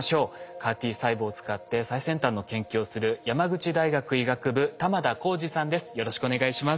ＣＡＲ−Ｔ細胞を使って最先端の研究をする山口大学医学部玉田耕治さんです。